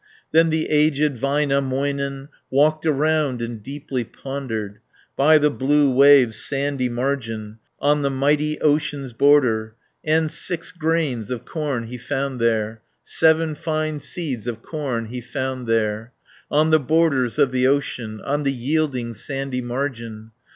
Then the aged Väinämöinen, Walked around, and deeply pondered, By the blue waves' sandy margin, On the mighty ocean's border, 240 And six grains of corn he found there, Seven fine seeds of corn he found there, On the borders of the ocean, On the yielding sandy margin.